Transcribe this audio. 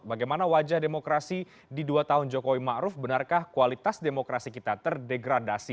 bagaimana wajah demokrasi di dua tahun jokowi ma'ruf benarkah kualitas demokrasi kita terdegradasi